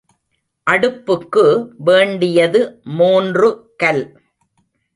அடுப்புக்கு வேண்டியது மூன்று கல்.